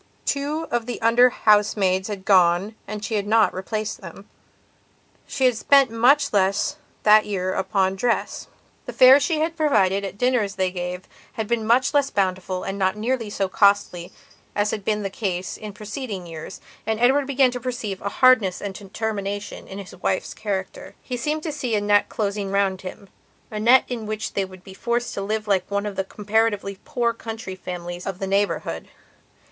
Two of the under housemaids had gone and she had not replaced them; she had spent much less that year upon dress. The fare she had provided at the dinners they gave had been much less bountiful and not nearly so costly as had been the case in preceding years, and Edward began to perceive a hardness and determination in his wife's character. He seemed to see a net closing round hima net in which they would be forced to live like one of the comparatively poor county families of the neighbourhood.